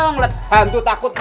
ngelet hantu takut